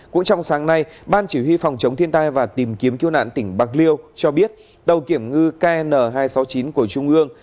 cũng trong sáng nay ban chỉ huy phòng chống thiên tai và tìm kiếm cứu nạn tỉnh bạc liêu cho biết tàu kiểm ngư kn hai trăm sáu mươi chín của trung ương